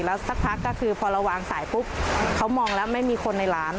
แล้วสักพักก็คือพอเราวางสายปุ๊บเขามองแล้วไม่มีคนในร้าน